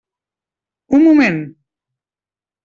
Un moment!